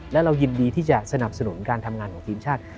และเรายินดีที่จะสนับสนุนการทำงานของทีมชาติ